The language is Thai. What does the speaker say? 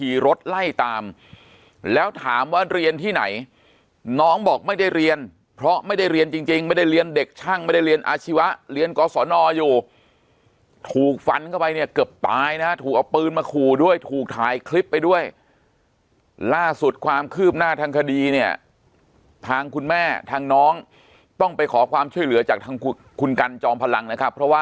รถไล่ตามแล้วถามว่าเรียนที่ไหนน้องบอกไม่ได้เรียนเพราะไม่ได้เรียนจริงไม่ได้เรียนเด็กช่างไม่ได้เรียนอาชีวะเรียนกศนอยู่ถูกฟันเข้าไปเนี่ยเกือบตายนะฮะถูกเอาปืนมาขู่ด้วยถูกถ่ายคลิปไปด้วยล่าสุดความคืบหน้าทางคดีเนี่ยทางคุณแม่ทางน้องต้องไปขอความช่วยเหลือจากทางคุณกันจอมพลังนะครับเพราะว่า